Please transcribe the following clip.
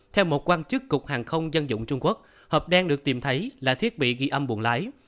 theo một quan chức cục hàng không dân dụng trung quốc hợp đen được tìm thấy là thiết bị ghi âm buồn lái